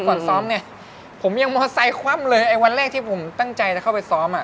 ก่อนซ้อมไงผมยังมอไซคว่ำเลยไอ้วันแรกที่ผมตั้งใจจะเข้าไปซ้อมอ่ะ